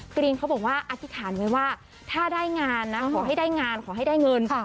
กรีนเขาบอกว่าอธิษฐานไว้ว่าถ้าได้งานนะขอให้ได้งานขอให้ได้เงิน